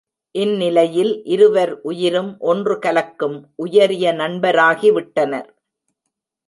இந்நிலையில் இருவர் உயிரும் ஒன்று கலக்கும் உயரிய நண்பராகிவிட்டனர்.